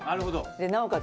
なおかつ